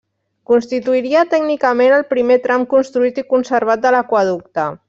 Constituiria tècnicament el primer tram construït i conservat de l'aqüeducte.